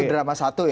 itu drama satu ya